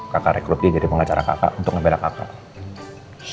kakak rekrut dia jadi pengacara kakak untuk ngebela kakak